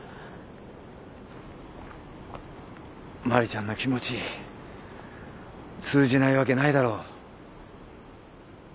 茉莉ちゃんの気持ち通じないわけないだろう。